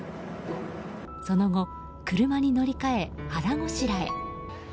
その後、車に乗り換え腹ごしらえ。